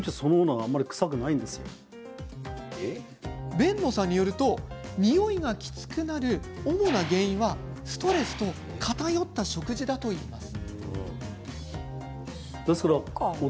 辨野さんによるとにおいがきつくなる、主な原因はストレスと偏った食事だといいます。